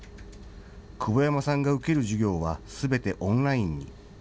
久保山さんが受ける授業はすべてオンラインに。